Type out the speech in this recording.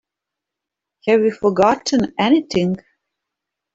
Have we forgotten anything?